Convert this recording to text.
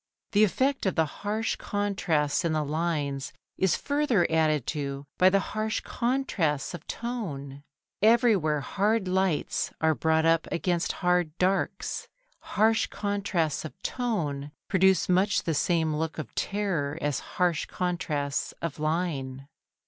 The effect of the harsh contrasts in the lines is further added to by the harsh contrasts of tone: everywhere hard lights are brought up against hard darks. Harsh contrasts of tone produce much the same look of terror as harsh contrasts of line.